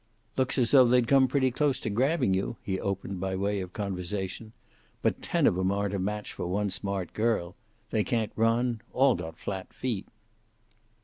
"Looks as though they'd come pretty close to grabbing you," he opened, by way of conversation. "But ten of 'em aren't a match for one smart girl. They can't run. All got flat feet."